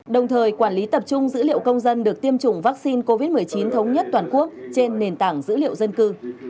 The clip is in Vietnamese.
đồng thời quản lý tập trung dữ liệu công dân được tiêm chủng vaccine covid một mươi chín thống nhất toàn quốc trên nền tảng dữ liệu dân cư